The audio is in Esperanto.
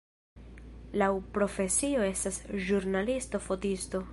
Laŭ profesio estas ĵurnalisto-fotisto.